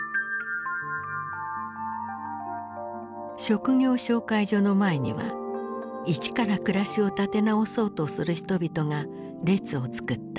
職業紹介所の前には一から暮らしを立て直そうとする人々が列を作った。